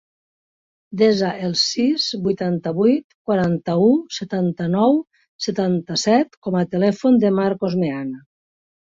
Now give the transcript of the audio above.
Desa el sis, vuitanta-vuit, quaranta-u, setanta-nou, setanta-set com a telèfon del Marcos Meana.